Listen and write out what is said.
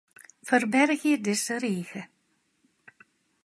Ferbergje dizze rige.